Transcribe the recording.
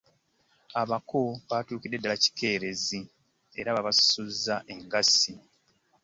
Abako batuukidde ddala kikerezi era babasasuzza engassi.